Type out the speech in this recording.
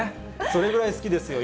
それぐらい好きですよ。